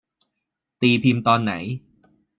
ตีพิมพ์ตอนไหน